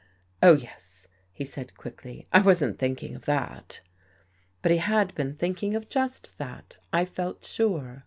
" Oh, yes," he said quickly. " I wasn't thinking of that." But he had been thinking of just that, I felt sure.